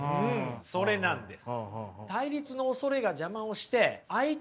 それなんです。